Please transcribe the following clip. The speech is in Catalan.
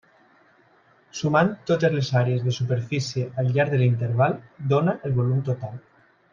Sumant totes les àrees de superfície al llarg de l'interval dóna el volum total.